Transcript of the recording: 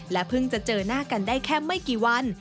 เพิ่งจะเจอหน้ากันได้แค่ไม่กี่วัน